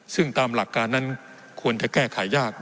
ซึ่งตามหลักการนั้นควรจะแก้ไขยาก